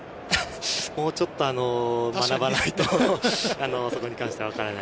もうちょっと学ばないと、そこに関してはわからない。